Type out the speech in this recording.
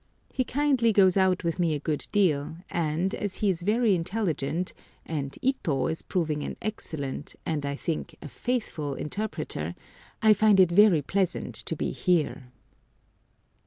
He kindly goes out with me a good deal, and, as he is very intelligent, and Ito is proving an excellent, and, I think, a faithful interpreter, I find it very pleasant to be here.